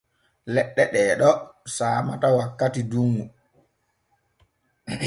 Leɗɗe ɗee ɗo saamataa wakkati dunŋu.